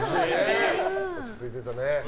落ち着いていたね。